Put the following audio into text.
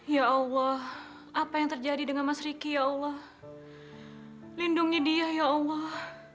ya allah apa yang terjadi dengan mas riki ya allah lindungi dia ya allah